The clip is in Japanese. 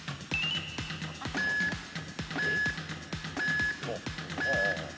えっ？